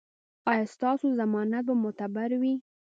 ایا ستاسو ضمانت به معتبر وي؟